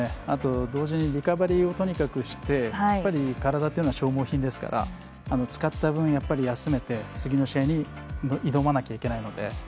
あとは同時にリカバリーをとにかくして体というのは消耗品ですから使った分、休めて次の試合に挑まなきゃいけないので。